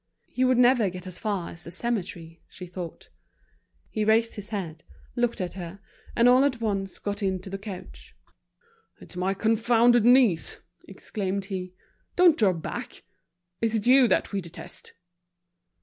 He would never get as far as the cemetery, she thought. He raised his head, looked at her, and all at once got into the coach. "It's my confounded knees," exclaimed he. "Don't draw back'! Is it you that we detest?"